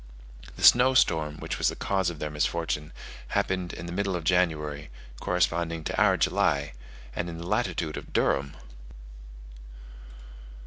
The snow storm, which was the cause of their misfortune, happened in the middle of January, corresponding to our July, and in the latitude of Durham!